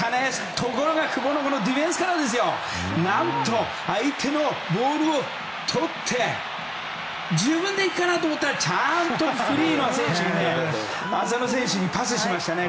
ところが久保のディフェンスから何と、相手のボールをとって自分で行くかなと思ったらちゃんとフリーの浅野選手にパスしましたね。